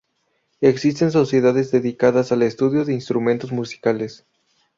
Existen sociedades dedicadas al estudio de los instrumentos musicales.